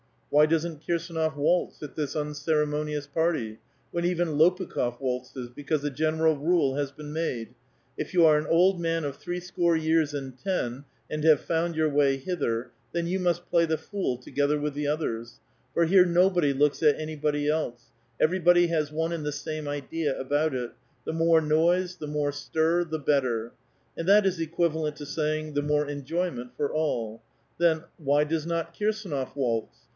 Why doesn't Kirsdnof waltz at this unceremonious l^arty, when even Lopukh6f waltzes, because a general rule has been made : If you are an old man of threescore years and ten, and have found your wa^' hither, then you must play the fool, together with the others ; for here nobody looks at anybody else, everybody has one and the same idea about it, —*' the more noise, the more stir, the better "; and that is equivalent to saying, the more enjoyment for all. Then, why does not Kirsdnof waltz?